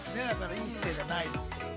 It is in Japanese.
いい姿勢じゃないですけど。